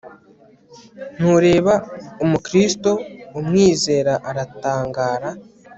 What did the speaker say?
Ntureba umukristo umwizera aratangara